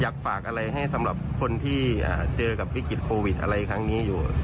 อยากฝากอะไรให้สำหรับคนที่เจอกับวิกฤตโควิดอะไรครั้งนี้อยู่